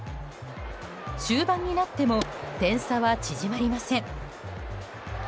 終盤になっても点差は縮まりません。